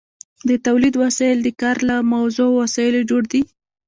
د تولید وسایل د کار له موضوع او وسایلو جوړ دي.